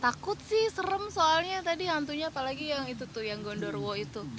takut sih serem soalnya tadi hantunya apalagi yang itu tuh yang gondorwo itu